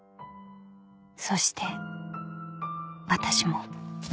［そして私も］